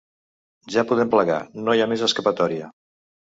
Ja podem plegar, no hi ha més escapatòria.